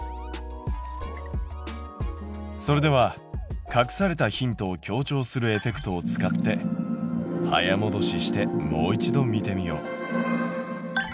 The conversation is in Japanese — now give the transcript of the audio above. それでは隠されたヒントを強調するエフェクトを使って早もどししてもう一度見てみよう。